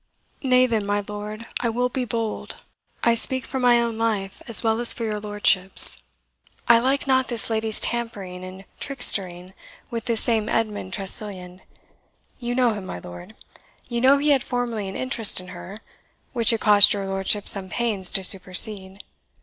"Nay, then, my lord, I will be bold. I speak for my own life as well as for your lordship's. I like not this lady's tampering and trickstering with this same Edmund Tressilian. You know him, my lord. You know he had formerly an interest in her, which it cost your lordship some pains to supersede.